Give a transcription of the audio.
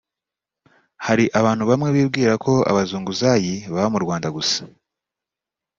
Hari abantu bamwe bibwira ko abazunguzayi baba mu Rwanda gusa